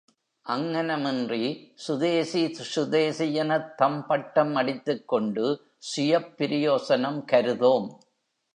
அங்ஙனமின்றி சுதேசி சுதேசியெனத் தம்பட்டம் அடித்துக் கொண்டு சுயப்பிரயோசனம் கருதோம்.